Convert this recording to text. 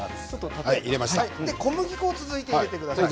小麦粉続いて入れてください